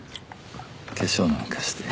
化粧なんかして。